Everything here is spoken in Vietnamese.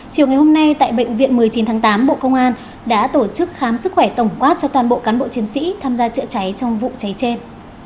chiều ngày hôm nay tại bệnh viện một mươi chín tháng tám bộ công an đã tổ chức khám sức khỏe tổng quát cho toàn bộ cán bộ chiến sĩ tham gia chữa cháy trong vụ cháy trên